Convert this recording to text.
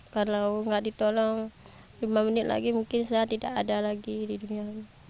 kalau nggak ditolong lima menit lagi mungkin saya tidak ada lagi di dunia